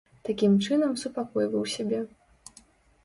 Такім чынам супакойваў сябе.